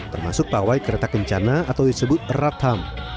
termasuk pawai kereta kencana atau disebut ratham